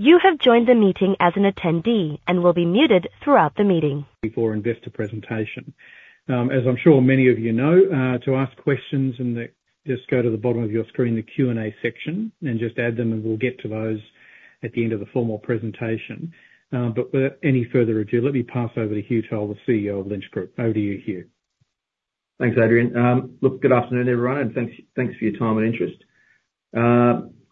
Before and during this presentation, as I'm sure many of you know, to ask questions, just go to the bottom of your screen, the Q&A section, and just add them, and we'll get to those at the end of the formal presentation. But without any further ado, let me pass over to Hugh Toll, the CEO of Lynch Group. Over to you, Hugh. Thanks, Adrian. Look, good afternoon, everyone, and thanks for your time and interest.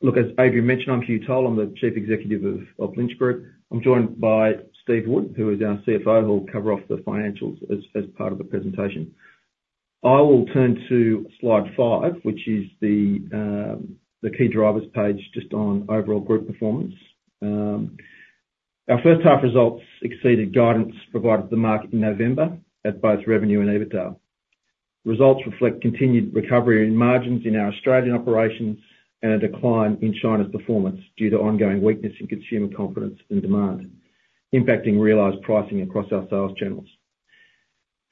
As Adrian mentioned, I'm Hugh Toll. I'm the Chief Executive of Lynch Group. I'm joined by Steve Wood, who is our CFO, who'll cover off the financials as part of the presentation. I will turn to slide five, which is the key drivers page just on overall group performance. Our first half results exceeded guidance provided by the market in November at both revenue and EBITDA. Results reflect continued recovery in margins in our Australian operations and a decline in China's performance due to ongoing weakness in consumer confidence and demand, impacting realized pricing across our sales channels.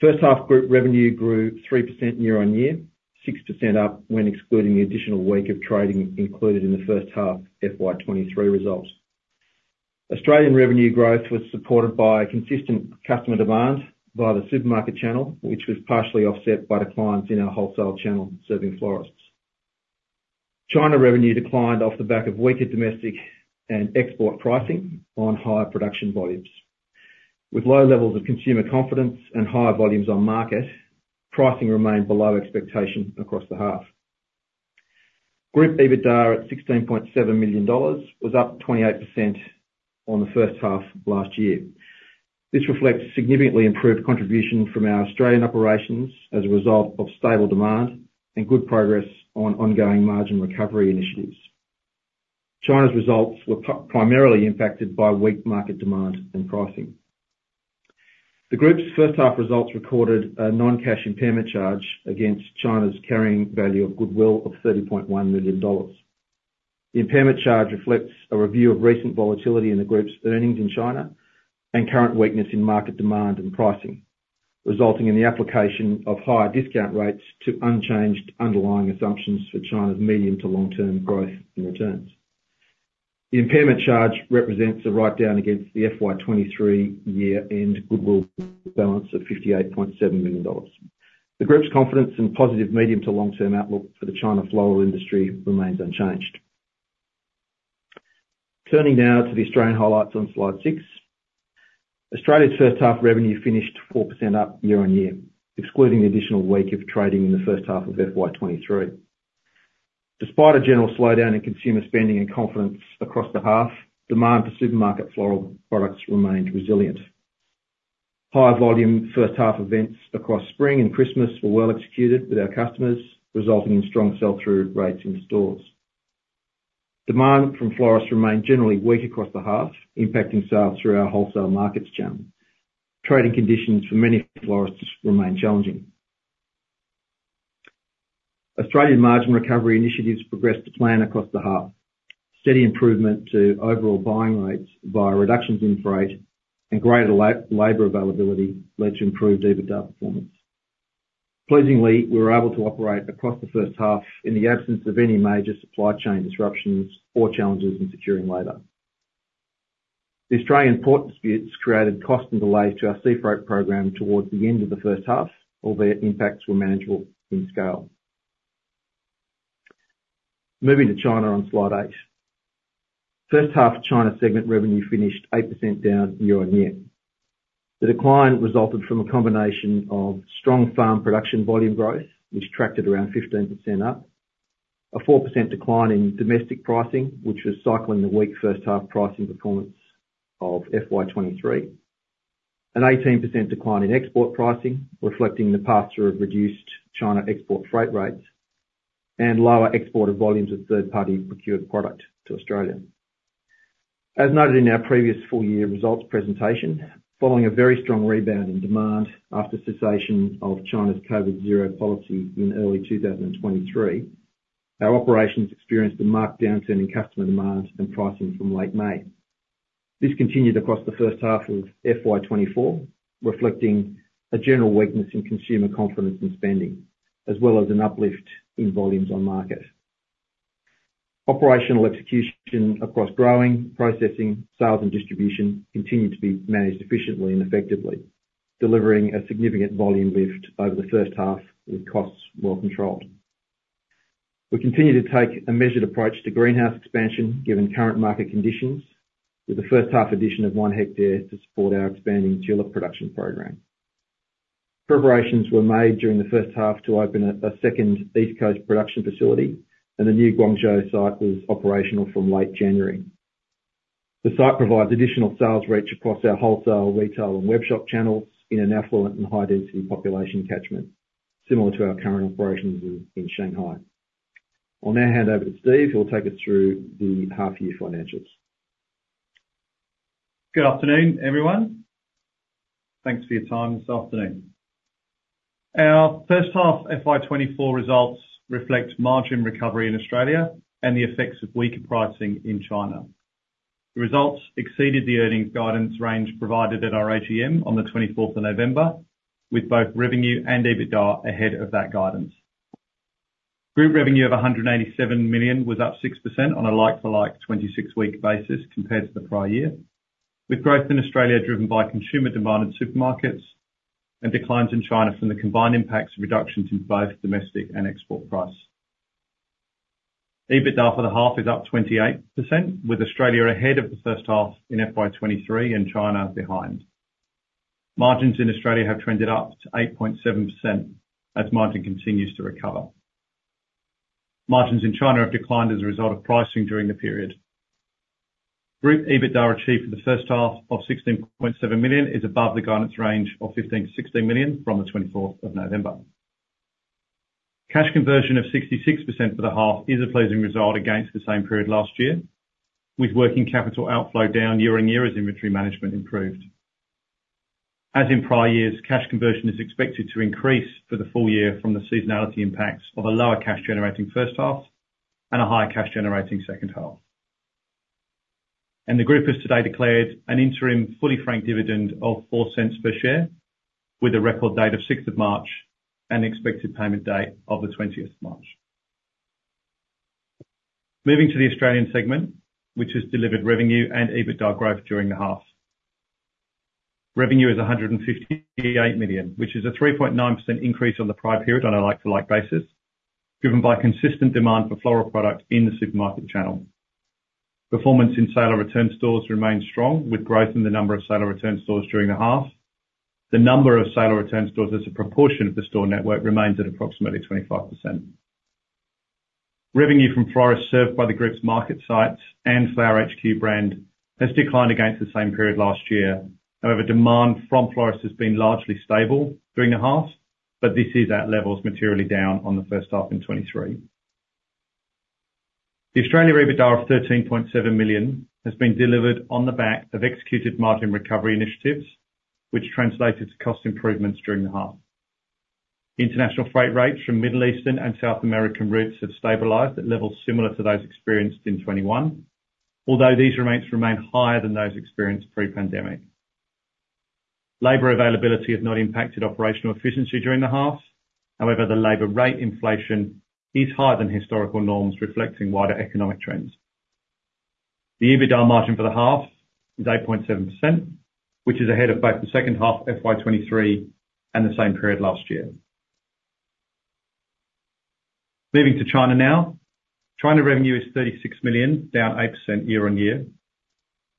First half group revenue grew 3% year-over-year, 6% up when excluding the additional week of trading included in the first half FY 2023 results. Australian revenue growth was supported by consistent customer demand via the supermarket channel, which was partially offset by declines in our wholesale channel serving florists. China revenue declined off the back of weaker domestic and export pricing on higher production volumes, with low levels of consumer confidence and higher volumes on market, pricing remained below expectation across the half. Group EBITDA at 16.7 million dollars was up 28% on the first half last year. This reflects significantly improved contribution from our Australian operations as a result of stable demand and good progress on ongoing margin recovery initiatives. China's results were primarily impacted by weak market demand and pricing. The group's first half results recorded a non-cash impairment charge against China's carrying value of goodwill of 30.1 million dollars. The impairment charge reflects a review of recent volatility in the group's earnings in China and current weakness in market demand and pricing, resulting in the application of higher discount rates to unchanged underlying assumptions for China's medium to long-term growth and returns. The impairment charge represents a write-down against the FY 2023 year-end goodwill balance of 58.7 million dollars. The group's confidence in positive medium to long-term outlook for the China floral industry remains unchanged. Turning now to the Australian highlights on slide six. Australia's first half revenue finished 4% up year-over-year, excluding the additional week of trading in the first half of FY 2023. Despite a general slowdown in consumer spending and confidence across the half, demand for supermarket floral products remained resilient. High volume first half events across spring and Christmas were well executed with our customers, resulting in strong sell-through rates in stores. Demand from florists remained generally weak across the half, impacting sales through our wholesale markets channel. Trading conditions for many florists remained challenging. Australian margin recovery initiatives progressed to plan across the half. Steady improvement to overall buying rates via reductions in freight and greater labor availability led to improved EBITDA performance. Pleasingly, we were able to operate across the first half in the absence of any major supply chain disruptions or challenges in securing labor. The Australian port disputes created cost and delays to our sea freight program towards the end of the first half, although impacts were manageable in scale. Moving to China on slide eight. First half China segment revenue finished 8% down year-on-year. The decline resulted from a combination of strong farm production volume growth, which tracked at around 15% up, a 4% decline in domestic pricing, which was cycling the weak first half pricing performance of FY 2023, an 18% decline in export pricing reflecting the path through of reduced China export freight rates, and lower export of volumes of third-party procured product to Australia. As noted in our previous full-year results presentation, following a very strong rebound in demand after cessation of China's COVID Zero policy in early 2023, our operations experienced a marked downturn in customer demand and pricing from late May. This continued across the first half of FY 2024, reflecting a general weakness in consumer confidence in spending as well as an uplift in volumes on market. Operational execution across growing, processing, sales, and distribution continued to be managed efficiently and effectively, delivering a significant volume lift over the first half with costs well controlled. We continue to take a measured approach to greenhouse expansion given current market conditions, with the first half addition of one hectare to support our expanding tulip production program. Preparations were made during the first half to open a second east coast production facility, and the new Guangzhou site was operational from late January. The site provides additional sales reach across our wholesale, retail, and web shop channels in an affluent and high-density population catchment, similar to our current operations in Shanghai. I'll now hand over to Steve, who will take us through the half-year financials. Good afternoon, everyone. Thanks for your time this afternoon. Our first half FY 2024 results reflect margin recovery in Australia and the effects of weaker pricing in China. The results exceeded the earnings guidance range provided at our AGM on the 24th of November, with both revenue and EBITDA ahead of that guidance. Group revenue of 187 million was up 6% on a like-for-like 26-week basis compared to the prior year, with growth in Australia driven by consumer-demanded supermarkets and declines in China from the combined impacts of reductions in both domestic and export price. EBITDA for the half is up 28%, with Australia ahead of the first half in FY 2023 and China behind. Margins in Australia have trended up to 8.7% as margin continues to recover. Margins in China have declined as a result of pricing during the period. Group EBITDA achieved for the first half of 16.7 million is above the guidance range of 15 million-16 million from the 24th of November. Cash conversion of 66% for the half is a pleasing result against the same period last year, with working capital outflow down year-on-year as inventory management improved. As in prior years, cash conversion is expected to increase for the full year from the seasonality impacts of a lower cash-generating first half and a higher cash-generating second half. The group has today declared an interim fully franked dividend of 0.04 per share, with a record date of 6th of March and expected payment date of the 20th of March. Moving to the Australian segment, which has delivered revenue and EBITDA growth during the half. Revenue is 158 million, which is a 3.9% increase on the prior period on a like-for-like basis, driven by consistent demand for floral product in the supermarket channel. Performance in sale-or-return stores remained strong, with growth in the number of sale-or-return stores during the half. The number of sale-or-return stores as a proportion of the store network remains at approximately 25%. Revenue from florists served by the group's market sites and Flower HQ brand has declined against the same period last year. However, demand from florists has been largely stable during the half, but this is at levels materially down on the first half in 2023. The Australian revenue of 13.7 million has been delivered on the back of executed margin recovery initiatives, which translated to cost improvements during the half. International freight rates from Middle Eastern and South American routes have stabilized at levels similar to those experienced in 2021, although these rates remain higher than those experienced pre-pandemic. Labor availability has not impacted operational efficiency during the half. However, the labor rate inflation is higher than historical norms, reflecting wider economic trends. The EBITDA margin for the half is 8.7%, which is ahead of both the second half FY 2023 and the same period last year. Moving to China now. China revenue is 36 million, down 8% year-on-year.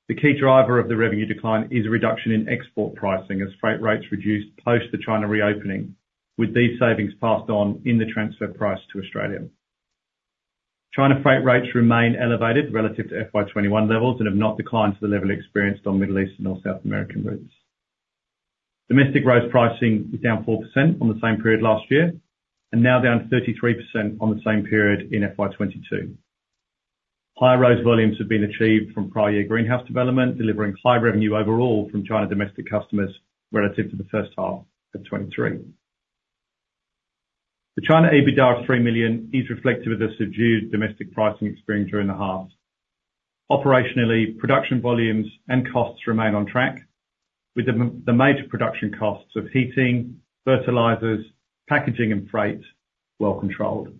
The key driver of the revenue decline is a reduction in export pricing as freight rates reduced post the China reopening, with these savings passed on in the transfer price to Australia. China freight rates remain elevated relative to FY 2021 levels and have not declined to the level experienced on Middle Eastern or South American routes. Domestic rose pricing is down 4% on the same period last year and now down 33% on the same period in FY 2022. Higher rose volumes have been achieved from prior year greenhouse development, delivering high revenue overall from China domestic customers relative to the first half of 2023. The China EBITDA of 3 million is reflective of the subdued domestic pricing experience during the half. Operationally, production volumes and costs remain on track, with the major production costs of heating, fertilizers, packaging, and freight well controlled.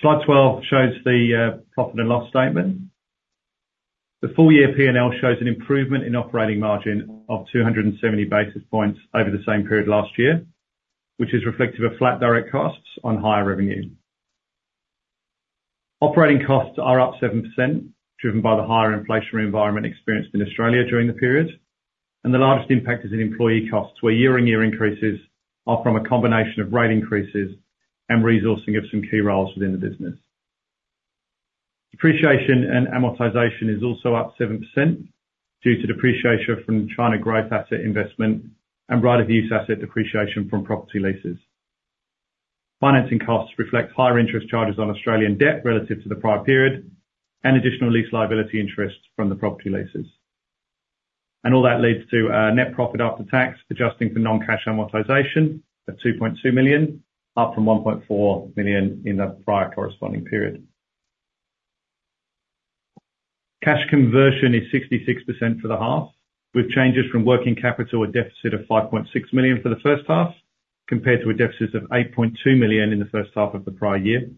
Slide 12 shows the profit and loss statement. The full-year P&L shows an improvement in operating margin of 270 basis points over the same period last year, which is reflective of flat direct costs on higher revenue. Operating costs are up 7%, driven by the higher inflationary environment experienced in Australia during the period. The largest impact is in employee costs, where year-on-year increases are from a combination of rate increases and resourcing of some key roles within the business. Depreciation and amortization is also up 7% due to depreciation from China growth asset investment and right-of-use asset depreciation from property leases. Financing costs reflect higher interest charges on Australian debt relative to the prior period and additional lease liability interest from the property leases. All that leads to a net profit after tax adjusting for non-cash amortization of 2.2 million, up from 1.4 million in the prior corresponding period. Cash conversion is 66% for the half, with changes from working capital a deficit of 5.6 million for the first half compared to a deficit of 8.2 million in the first half of the prior year.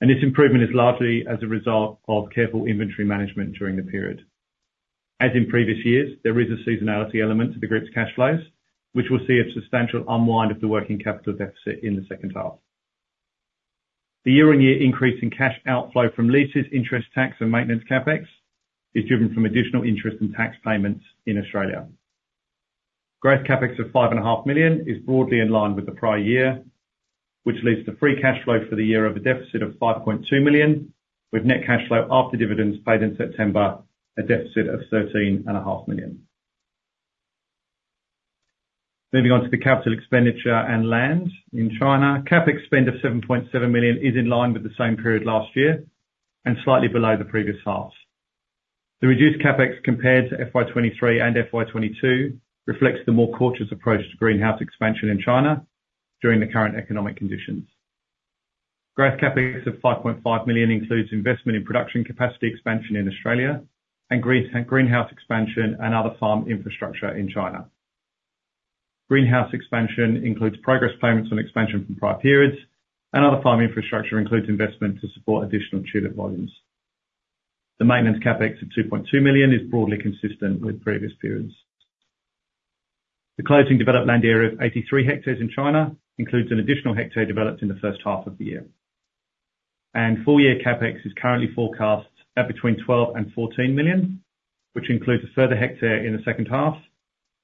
This improvement is largely as a result of careful inventory management during the period. As in previous years, there is a seasonality element to the group's cash flows, which will see a substantial unwind of the working capital deficit in the second half. The year-on-year increase in cash outflow from leases, interest tax, and maintenance CapEx is driven from additional interest and tax payments in Australia. Growth CapEx of 5.5 million is broadly in line with the prior year, which leads to free cash flow for the year of a deficit of 5.2 million, with net cash flow after dividends paid in September a deficit of 13.5 million. Moving on to the capital expenditure and land in China. CapEx spend of 7.7 million is in line with the same period last year and slightly below the previous half. The reduced CapEx compared to FY 2023 and FY 2022 reflects the more cautious approach to greenhouse expansion in China during the current economic conditions. Growth CapEx of 5.5 million includes investment in production capacity expansion in Australia and greenhouse expansion and other farm infrastructure in China. Greenhouse expansion includes progress payments on expansion from prior periods, and other farm infrastructure includes investment to support additional tulip volumes. The maintenance CapEx of 2.2 million is broadly consistent with previous periods. The closing developed land area of 83 hectares in China includes an additional hectare developed in the first half of the year. Full-year CapEx is currently forecast at between 12 million and 14 million, which includes a further hectare in the second half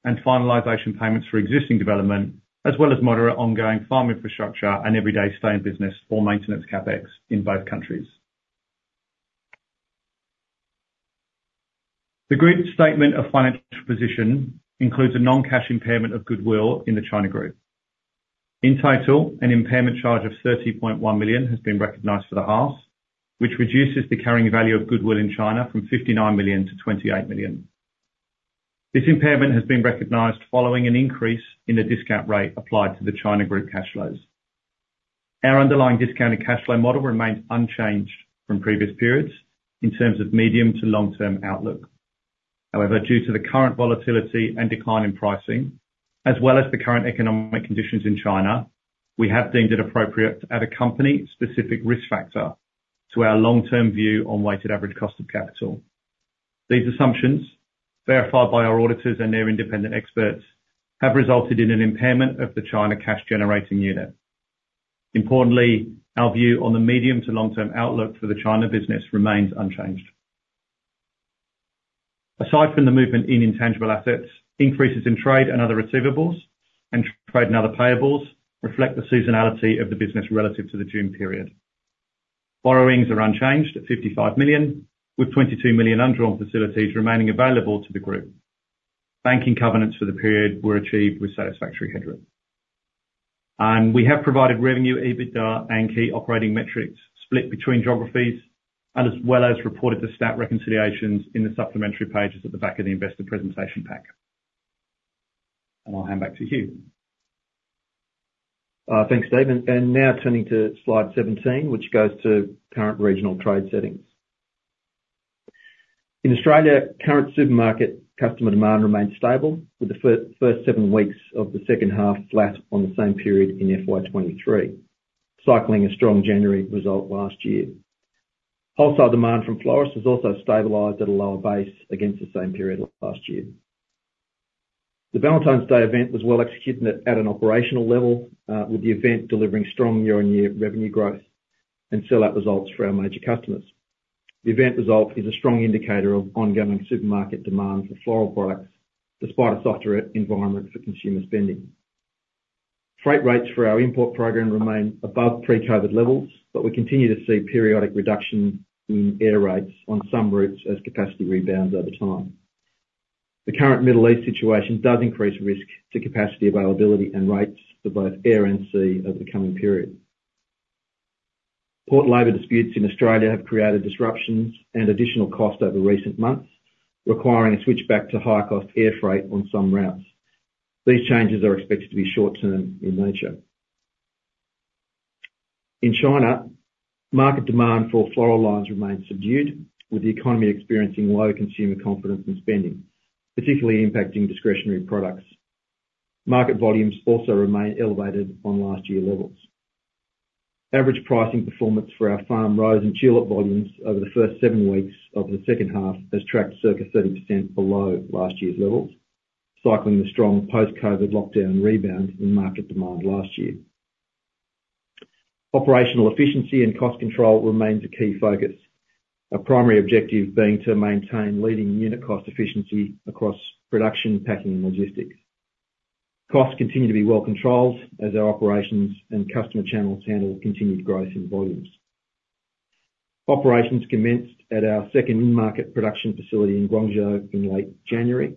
and finalization payments for existing development as well as moderate ongoing farm infrastructure and everyday stay-in-business or maintenance CapEx in both countries. The group's statement of financial position includes a non-cash impairment of goodwill in the China group. In total, an impairment charge of 30.1 million has been recognized for the half, which reduces the carrying value of goodwill in China from 59 million to 28 million. This impairment has been recognized following an increase in the discount rate applied to the China group cash flows. Our underlying discounted cash flow model remains unchanged from previous periods in terms of medium to long-term outlook. However, due to the current volatility and decline in pricing as well as the current economic conditions in China, we have deemed it appropriate to add a company-specific risk factor to our long-term view on weighted average cost of capital. These assumptions, verified by our auditors and their independent experts, have resulted in an impairment of the China cash-generating unit. Importantly, our view on the medium to long-term outlook for the China business remains unchanged. Aside from the movement in intangible assets, increases in trade and other receivables, and trade and other payables reflect the seasonality of the business relative to the June period. Borrowings are unchanged at 55 million, with 22 million underwritten facilities remaining available to the group. Banking covenants for the period were achieved with satisfactory headroom. We have provided revenue, EBITDA, and key operating metrics split between geographies as well as reported the statutory reconciliations in the supplementary pages at the back of the investor presentation pack. I'll hand back to Hugh. Thanks, David. Now turning to slide 17, which goes to current regional trade settings. In Australia, current supermarket customer demand remained stable, with the first seven weeks of the second half flat on the same period in FY 2023, cycling a strong January result last year. Wholesale demand from florists has also stabilized at a lower base against the same period last year. The Valentine's Day event was well executed at an operational level, with the event delivering strong year-on-year revenue growth and sell-out results for our major customers. The event result is a strong indicator of ongoing supermarket demand for floral products despite a softer environment for consumer spending. Freight rates for our import program remain above pre-COVID levels, but we continue to see periodic reduction in air rates on some routes as capacity rebounds over time. The current Middle East situation does increase risk to capacity availability and rates for both air and sea over the coming period. Port labor disputes in Australia have created disruptions and additional cost over recent months, requiring a switchback to high-cost air freight on some routes. These changes are expected to be short-term in nature. In China, market demand for floral lines remains subdued, with the economy experiencing low consumer confidence in spending, particularly impacting discretionary products. Market volumes also remain elevated on last year levels. Average pricing performance for our farm, rose, and tulip volumes over the first seven weeks of the second half as tracked circa 30% below last year's levels, cycling the strong post-COVID lockdown rebound in market demand last year. Operational efficiency and cost control remains a key focus, a primary objective being to maintain leading unit cost efficiency across production, packing, and logistics. Costs continue to be well controlled as our operations and customer channels handle continued growth in volumes. Operations commenced at our second in-market production facility in Guangzhou in late January.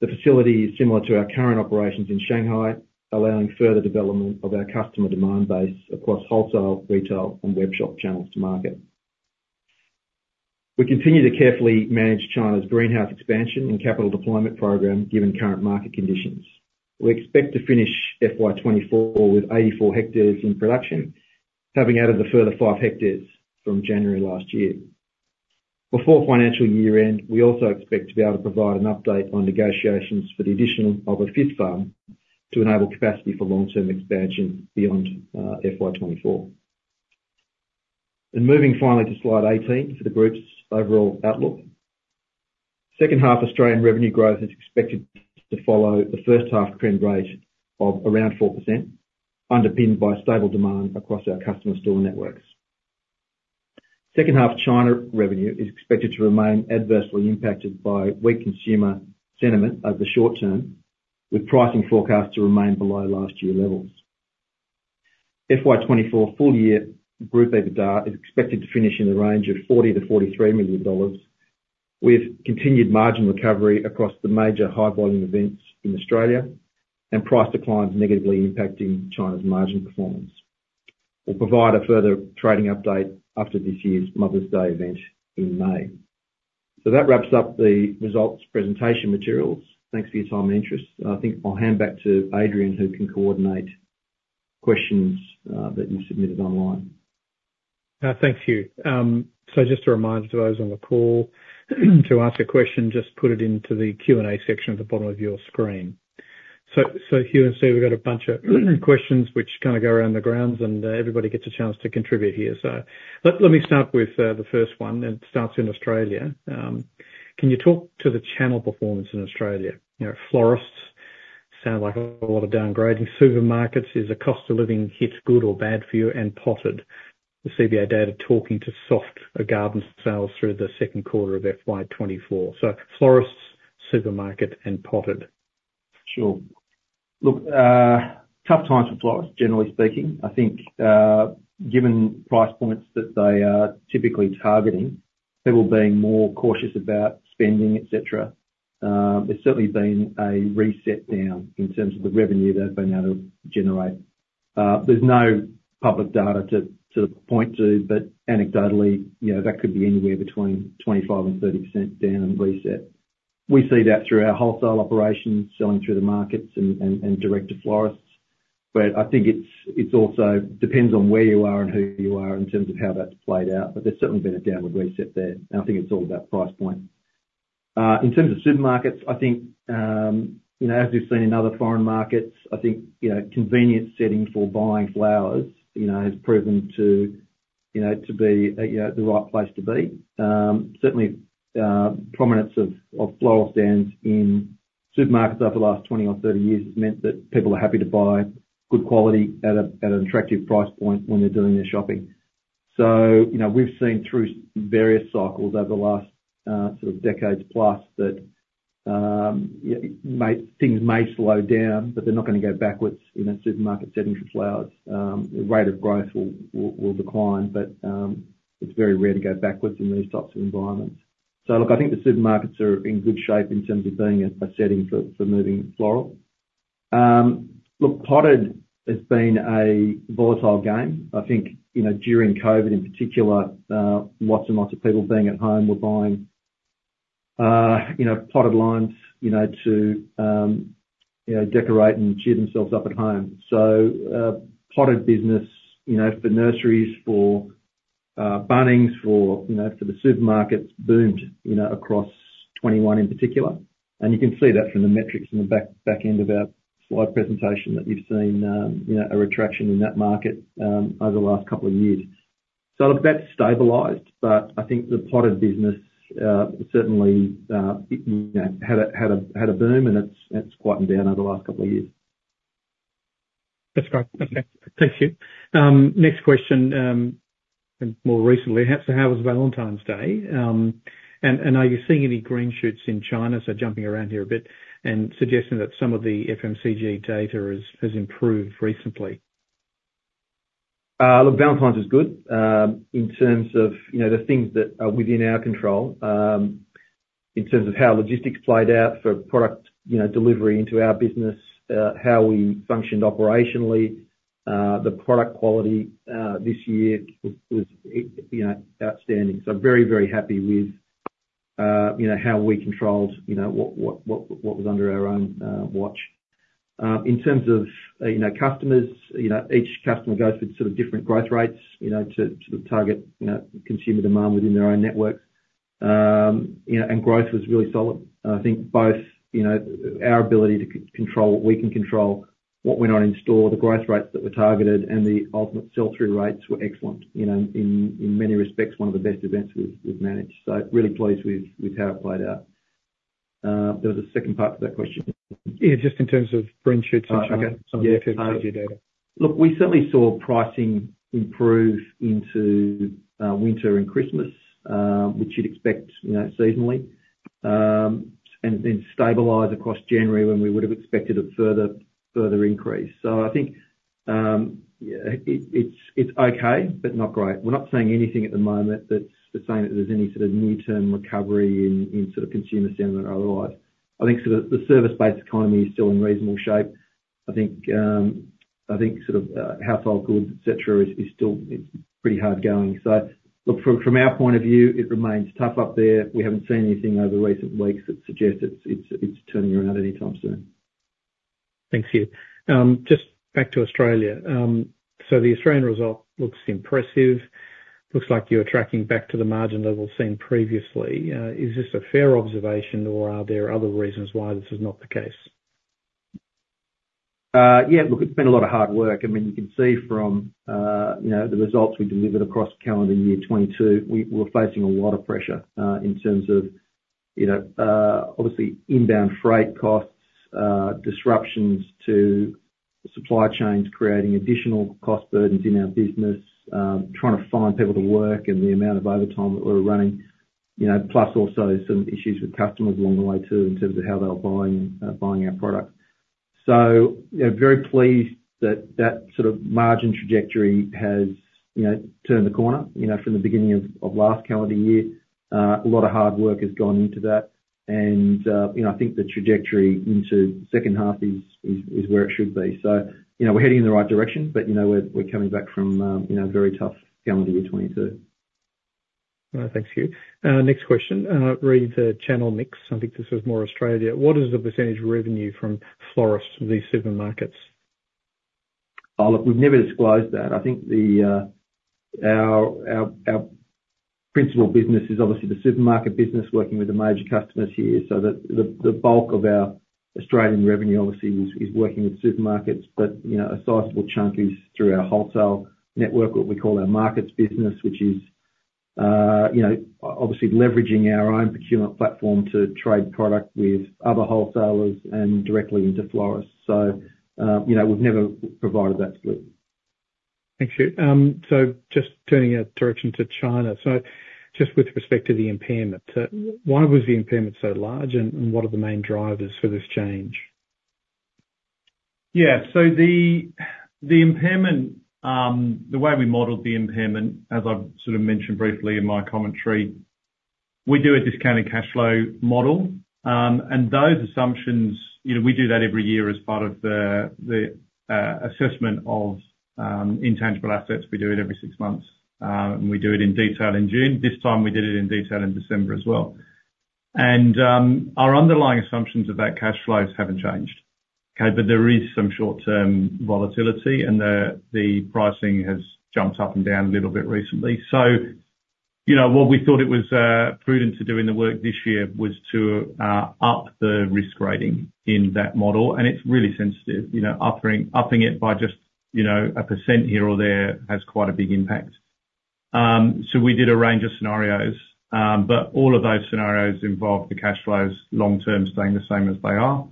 The facility is similar to our current operations in Shanghai, allowing further development of our customer demand base across wholesale, retail, and web shop channels to market. We continue to carefully manage China's greenhouse expansion and capital deployment program given current market conditions. We expect to finish FY 2024 with 84 hectares in production, having added the further 5 hectares from January last year. Before financial year-end, we also expect to be able to provide an update on negotiations for the addition of a fifth farm to enable capacity for long-term expansion beyond FY 2024. Moving finally to slide 18 for the group's overall outlook. Second half Australian revenue growth is expected to follow the first half trend rate of around 4%, underpinned by stable demand across our customer store networks. Second half China revenue is expected to remain adversely impacted by weak consumer sentiment over the short term, with pricing forecasts to remain below last year levels. FY 2024 full-year group EBITDA is expected to finish in the range of 40 million-43 million dollars, with continued margin recovery across the major high-volume events in Australia and price declines negatively impacting China's margin performance. We'll provide a further trading update after this year's Mother's Day event in May. So that wraps up the results presentation materials. Thanks for your time and interest. I think I'll hand back to Adrian, who can coordinate questions that you submitted online. Thanks, Hugh. So just a reminder to those on the call, to ask a question, just put it into the Q&A section at the bottom of your screen. So, Hugh and Steve, we've got a bunch of questions which kind of go around the grounds, and everybody gets a chance to contribute here. So, let me start with the first one. It starts in Australia. "Can you talk to the channel performance in Australia? Florists sound like a lot of downgrading. Supermarkets is a cost of living hit good or bad for you and potted, the CBA data talking to soft or garden sales through the second quarter of FY 2024." So florists, supermarket, and potted. Sure. Look, tough times for florists, generally speaking. I think given price points that they are typically targeting, people being more cautious about spending, et cetera, there's certainly been a reset down in terms of the revenue they've been able to generate. There's no public data to point to, but anecdotally, that could be anywhere between 25%-30% down and reset. We see that through our wholesale operations, selling through the markets, and direct to florists. But I think it also depends on where you are and who you are in terms of how that's played out, but there's certainly been a downward reset there. And I think it's all about price point. In terms of supermarkets, I think as we've seen in other foreign markets, I think convenience setting for buying flowers has proven to be the right place to be. Certainly, prominence of floral stands in supermarkets over the last 20 or 30 years has meant that people are happy to buy good quality at an attractive price point when they're doing their shopping. So we've seen through various cycles over the last sort of decades-plus that things may slow down, but they're not going to go backwards in a supermarket setting for flowers. The rate of growth will decline, but it's very rare to go backwards in these types of environments. So, I think the supermarkets are in good shape in terms of being a setting for moving floral. Look, potted has been a volatile game. I think during COVID in particular, lots and lots of people being at home were buying potted lines to decorate and cheer themselves up at home. So potted business for nurseries, for Bunnings, for the supermarkets boomed across 2021 in particular. You can see that from the metrics in the back end of our slide presentation that you've seen a retraction in that market over the last couple of years. So, that's stabilized, but I think the potted business certainly had a boom, and it's quieted down over the last couple of years. That's great. Okay. Thanks, Hugh. Next question and more recently, so, "How was Valentine's Day? And are you seeing any green shoots in China? So, jumping around here a bit and suggesting that some of the FMCG data has improved recently." Look, Valentine's is good in terms of the things that are within our control, in terms of how logistics played out for product delivery into our business, how we functioned operationally. The product quality this year was outstanding. So very, very happy with how we controlled what was under our own watch. In terms of customers, each customer goes with sort of different growth rates to target consumer demand within their own networks. Growth was really solid. I think both our ability to control what we can control, what went on in store, the growth rates that were targeted, and the ultimate sell-through rates were excellent. In many respects, one of the best events we've managed. So really pleased with how it played out. There was a second part to that question. Yeah, just in terms of green shoots and some of the FMCG data. Look, we certainly saw pricing improve into winter and Christmas, which you'd expect seasonally, and then stabilize across January when we would have expected a further increase. So, I think it's okay, but not great. We're not saying anything at the moment that's saying that there's any sort of near-term recovery in sort of consumer sentiment otherwise. I think sort of the service-based economy is still in reasonable shape. I think sort of household goods, etc., is still pretty hard going. So look, from our point of view, it remains tough up there. We haven't seen anything over recent weeks that suggests it's turning around anytime soon. Thanks, Hugh. "Just back to Australia. The Australian result looks impressive. Looks like you're tracking back to the margin level seen previously. Is this a fair observation, or are there other reasons why this is not the case?" Yeah, look, it's been a lot of hard work. I mean, you can see from the results we delivered across calendar year 2022, we were facing a lot of pressure in terms of obviously inbound freight costs, disruptions to supply chains creating additional cost burdens in our business, trying to find people to work and the amount of overtime that we were running, plus also some issues with customers along the way too in terms of how they were buying our product. So very pleased that that sort of margin trajectory has turned the corner. From the beginning of last calendar year, a lot of hard work has gone into that. And I think the trajectory into second half is where it should be. So we're heading in the right direction, but we're coming back from a very tough calendar year 2022. Thanks, Hugh. Next question. "Read the channel mix. I think this was more Australia. What is the percentage revenue from florists for these supermarkets?" Look, we've never disclosed that. I think our principal business is obviously the supermarket business working with the major customers here. So the bulk of our Australian revenue obviously is working with supermarkets, but a sizable chunk is through our wholesale network, what we call our markets business, which is obviously leveraging our own procurement platform to trade product with other wholesalers and directly into florists. So we've never provided that split. Thanks, Hugh. "So just turning our direction to China. So just with respect to the impairment, why was the impairment so large, and what are the main drivers for this change?" Yeah. So the impairment, the way we modeled the impairment, as I've sort of mentioned briefly in my commentary, we do a discounted cash flow model. And those assumptions, we do that every year as part of the assessment of intangible assets. We do it every six months, and we do it in detail in June. This time, we did it in detail in December as well. And our underlying assumptions of that cash flow haven't changed, okay? But there is some short-term volatility, and the pricing has jumped up and down a little bit recently. So what we thought it was prudent to do in the work this year was to up the risk rating in that model and it's really sensitive. Upping it by just 1% here or there has quite a big impact. We did a range of scenarios, but all of those scenarios involved the cash flows long-term staying the same as they are.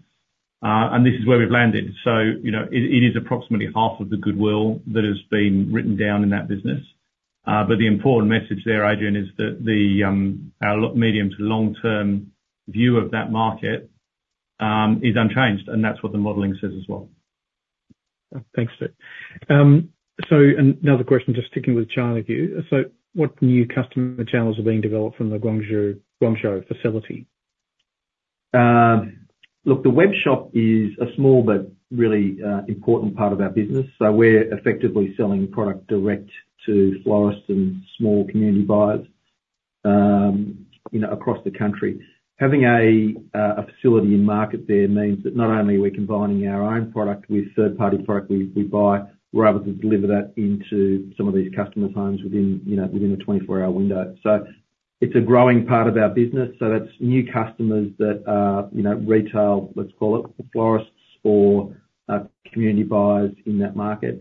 This is where we've landed. It is approximately half of the goodwill that has been written down in that business. The important message there, Adrian, is that our medium to long-term view of that market is unchanged, and that's what the modeling says as well. Thanks, Steve. So another question, "Just sticking with China view. So what new customer channels are being developed from the Guangzhou facility?" Look, the web shop is a small but really important part of our business. So we're effectively selling product direct to florists and small community buyers across the country. Having a facility in market there means that not only are we combining our own product with third-party product we buy, we're able to deliver that into some of these customers' homes within a 24-hour window. So it's a growing part of our business. So that's new customers that are retail, let's call it, florists or community buyers in that market.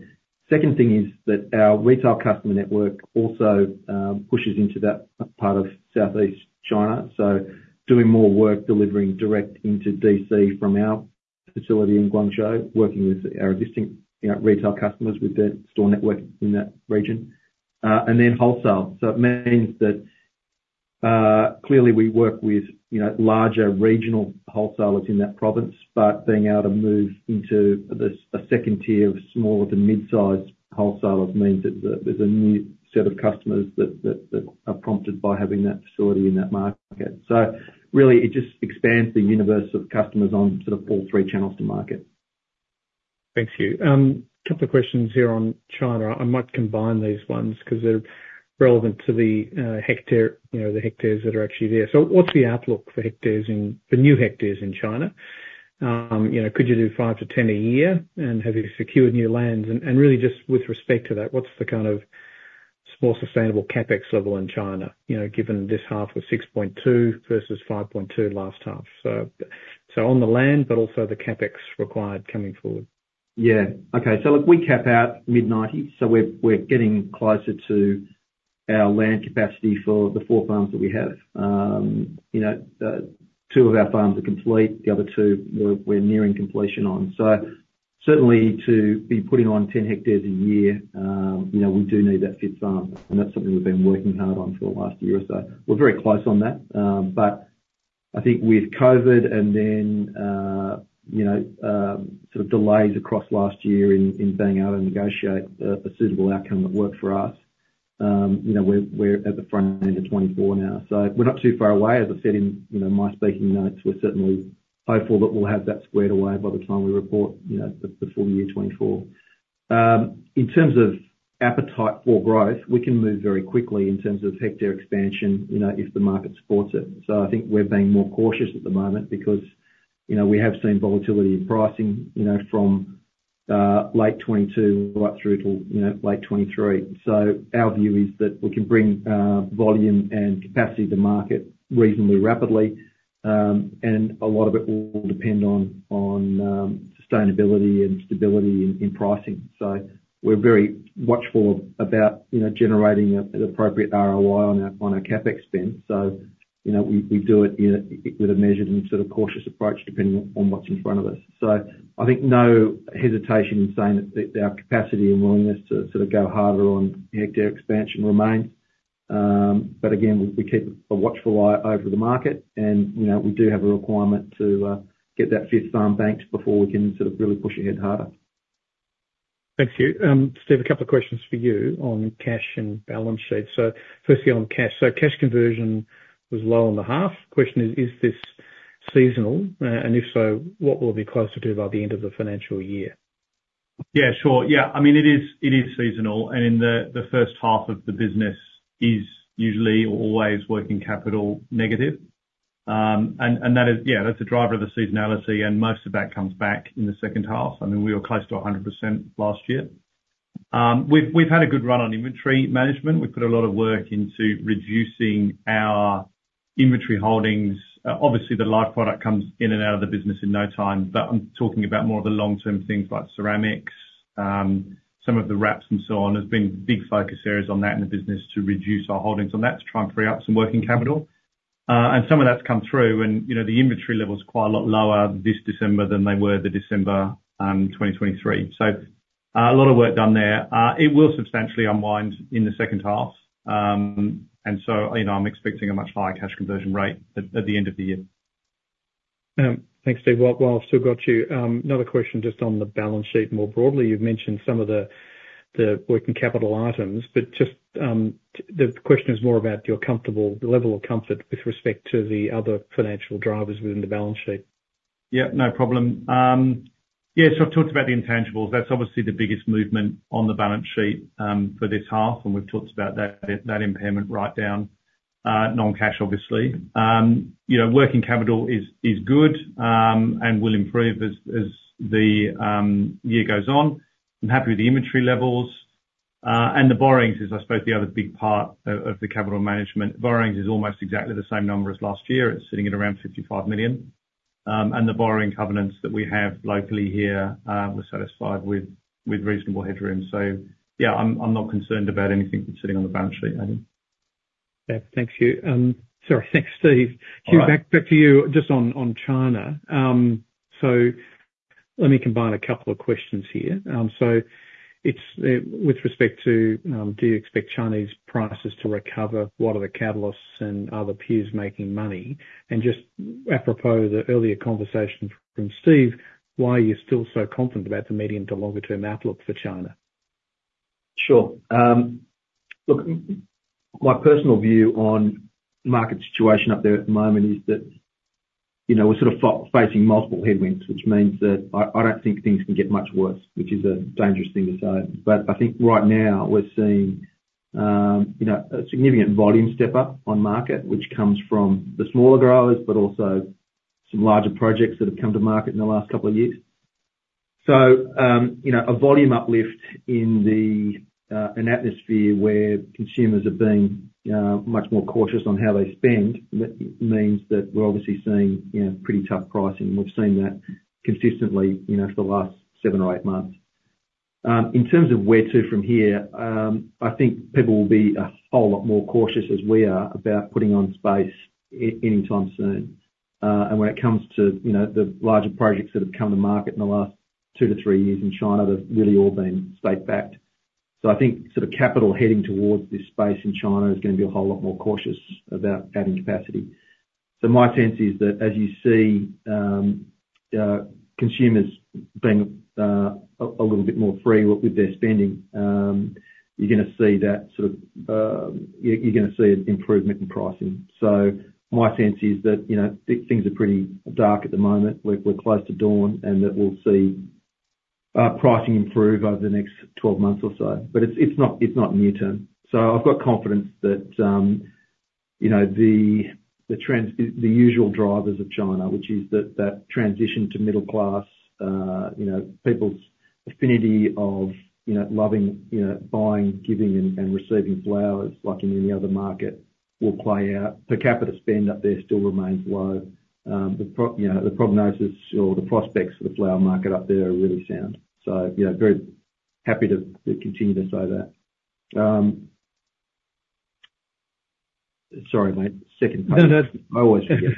Second thing is that our retail customer network also pushes into that part of Southeast China. So doing more work delivering direct into DC from our facility in Guangzhou, working with our existing retail customers with their store network in that region, and then wholesale. So it means that clearly, we work with larger regional wholesalers in that province, but being able to move into a second tier of smaller to mid-sized wholesalers means that there's a new set of customers that are prompted by having that facility in that market. So really, it just expands the universe of customers on sort of all three channels to market. Thanks, Hugh. Couple of questions here on China. I might combine these ones because they're relevant to the hectares that are actually there. So, "What's the outlook for new hectares in China? Could you do 5-10 a year, and have you secured new lands? And really, just with respect to that, what's the kind of more sustainable CapEx level in China given this half with 6.2 versus 5.2 last half? So on the land, but also the CapEx required coming forward." Yeah. Okay. So look, we cap out mid-90s. So we're getting closer to our land capacity for the four farms that we have. Two of our farms are complete. The other two, we're nearing completion on. So certainly, to be putting on 10 hectares a year, we do need that fifth farm. And that's something we've been working hard on for the last year or so. We're very close on that. But I think with COVID and then sort of delays across last year in being able to negotiate a suitable outcome that worked for us, we're at the front end of 2024 now. So we're not too far away. As I said in my speaking notes, we're certainly hopeful that we'll have that squared away by the time we report before the year 2024. In terms of appetite for growth, we can move very quickly in terms of hectare expansion if the market supports it. I think we're being more cautious at the moment because we have seen volatility in pricing from late 2022 right through till late 2023. Our view is that we can bring volume and capacity to market reasonably rapidly, and a lot of it will depend on sustainability and stability in pricing. We're very watchful about generating an appropriate ROI on our CapEx spend. We do it with a measured and sort of cautious approach depending on what's in front of us. I think no hesitation in saying that our capacity and willingness to sort of go harder on hectare expansion remains. But again, we keep a watchful eye over the market, and we do have a requirement to get that fifth farm banked before we can sort of really push ahead harder. Thanks, Hugh. Steve, a couple of questions for you on cash and balance sheet. So firstly, "On cash. So cash conversion was low on the half. Question is, is this seasonal? And if so, what will it be closer to by the end of the financial year?" Yeah, sure. Yeah. I mean, it is seasonal. And in the first half of the business is usually or always working capital negative. And yeah, that's a driver of the seasonality. Most of that comes back in the second half. I mean, we were close to 100% last year. We've had a good run on inventory management. We've put a lot of work into reducing our inventory holdings. Obviously, the live product comes in and out of the business in no time, but I'm talking about more of the long-term things like ceramics, some of the wraps and so on. There's been big focus areas on that in the business to reduce our holdings. And that's trying to free up some working capital and some of that's come through. The inventory level's quite a lot lower this December than they were the December 2023. So, a lot of work done there. It will substantially unwind in the second half. And so I'm expecting a much higher cash conversion rate at the end of the year. Thanks, Steve. While I've still got you, another question just on the balance sheet more broadly. "You've mentioned some of the working capital items, but just the question is more about your level of comfort with respect to the other financial drivers within the balance sheet?" Yeah, no problem. Yeah, so I've talked about the intangibles. That's obviously the biggest movement on the balance sheet for this half, and we've talked about that impairment right down, non-cash, obviously. Working capital is good and will improve as the year goes on. I'm happy with the inventory levels. And the borrowings is, I suppose, the other big part of the capital management. Borrowings is almost exactly the same number as last year. It's sitting at around 55 million. And the borrowing covenants that we have locally here, we're satisfied with reasonable headroom. So yeah, I'm not concerned about anything sitting on the balance sheet, Adrian. Thanks, Hugh. Sorry, thanks, Steve. Hugh, back to you just on China. So let me combine a couple of questions here. So, "With respect to, do you expect Chinese prices to recover? What are the catalysts and are the peers making money? And just apropos the earlier conversation from Steve, why are you still so confident about the medium to longer-term outlook for China?" Sure. Look, my personal view on the market situation up there at the moment is that we're sort of facing multiple headwinds, which means that I don't think things can get much worse, which is a dangerous thing to say. But I think right now, we're seeing a significant volume step up on market, which comes from the smaller growers, but also some larger projects that have come to market in the last couple of years. So, a volume uplift in an atmosphere where consumers are being much more cautious on how they spend means that we're obviously seeing pretty tough pricing. We've seen that consistently for the last seven or eight months. In terms of where to from here, I think people will be a whole lot more cautious as we are about putting on space anytime soon. When it comes to the larger projects that have come to market in the last two to three years in China, they've really all been state-backed. I think sort of capital heading towards this space in China is going to be a whole lot more cautious about adding capacity. My sense is that as you see consumers being a little bit more free with their spending, you're going to see that sort of you're going to see an improvement in pricing. My sense is that things are pretty dark at the moment. We're close to dawn, and that we'll see pricing improve over the next 12 months or so. But it's not near-term. I've got confidence that the usual drivers of China, which is that transition to middle-class, people's affinity of loving, buying, giving, and receiving flowers like in any other market, will play out. Per capita spend up there still remains low. The prognosis or the prospects for the flower market up there are really sound. So very happy to continue to say that. Sorry, mate. Second question. No, no. I always forget.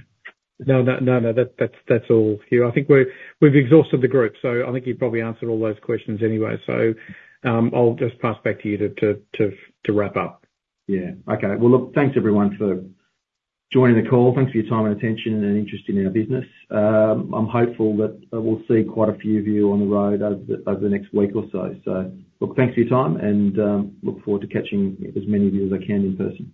No, no, no. That's all, Hugh. I think we've exhausted the group. So, I think you've probably answered all those questions anyway. So, I'll just pass back to you to wrap up. Yeah. Okay. Well, look, thanks, everyone, for joining the call. Thanks for your time and attention and interest in our business. I'm hopeful that we'll see quite a few of you on the road over the next week or so. So look, thanks for your time, and look forward to catching as many of you as I can in person.